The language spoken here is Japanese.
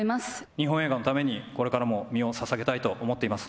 日本映画のためにこれからも身をささげたいと思っています。